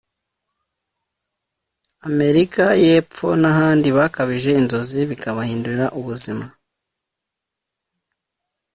Amerika y’Epfo n’ahandi bakabije inzozi bikabahindurira ubuzima